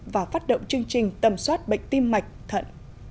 và phát động chương trình tầm soát bệnh tim mạch thận